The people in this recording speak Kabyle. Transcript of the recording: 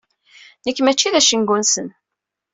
Nekk mačči d acengu-nsen.